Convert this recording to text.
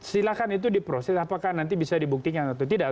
silahkan itu diproses apakah nanti bisa dibuktikan atau tidak